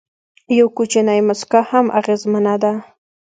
یو کوچنی موسکا هم اغېزمنه ده.